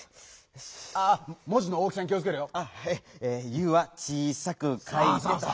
「ゆ」はちいさくかいてと。